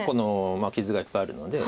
傷がいっぱいあるので。